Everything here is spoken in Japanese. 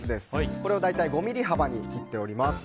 これを大体５ｍｍ幅に切ってあります。